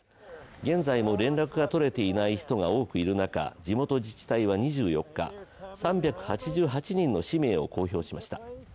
現在も連絡がとれていない人が多くいる中、地元自治体は２４日、３８８人の氏名を公表しました。